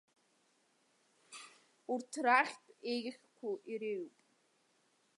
Урҭ рахьтә еиӷьқәоу иреиуоуп.